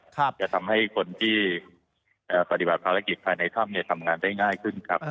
จะทำให้คนที่ปฏิบัติภารกิจภายในถ้ำทำงานได้ง่ายขึ้นครับ